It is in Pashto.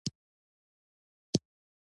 په اوترېش هېواد کې وخت ډېر ارزښت ورکوي.